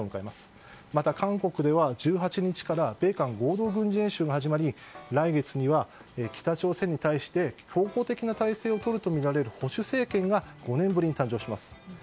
また、韓国では１８日から米韓合同軍事演習が始まり来月には北朝鮮に対して強硬的な対策をとるとみられる保守政権が５年ぶりに誕生します。